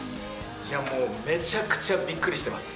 いやもう、めちゃくちゃびっくりしてます。